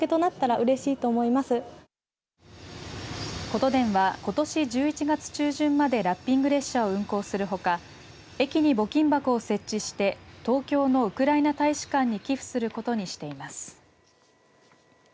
ことでんはことし１１月中旬までラッピング列車を運行するほか駅に募金箱を設置して東京のウクライナ大使館に寄付することにしています。